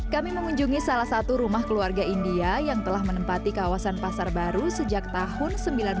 kami mengunjungi salah satu rumah keluarga india yang telah menempati kawasan pasar baru sejak tahun seribu sembilan ratus sembilan puluh